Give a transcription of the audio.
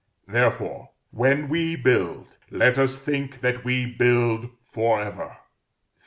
Therefore, when we build, let us think that we build for ever.